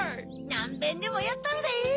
なんべんでもやったるで！